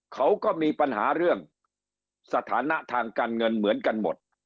เขาก็มีปัญหาเรื่องสถานะทางการเงินเหมือนกันหมด